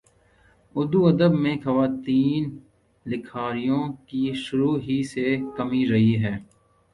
اردو ادب میں خواتین لکھاریوں کی شروع ہی سے کمی رہی ہے